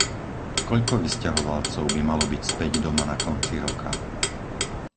Koľko vysťahovalcov by malo byť späť doma na konci roka?